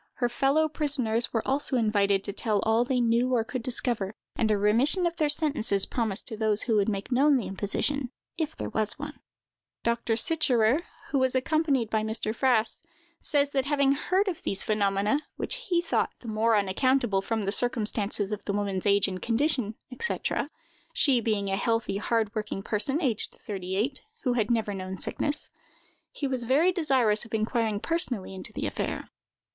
Her fellow prisoners were also invited to tell all they knew or could discover; and a remission of their sentences promised to those who would make known the imposition, if there was one. Dr. Sicherer, who was accompanied by Mr. Frass, says that, having heard of these phenomena, which he thought the more unaccountable from the circumstances of the woman's age and condition, &c.—she being a healthy, hard working person, aged thirty eight, who had never known sickness—he was very desirous of inquiring personally into the affair.